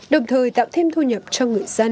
đồng thời tạo thêm thu nhập cho người dân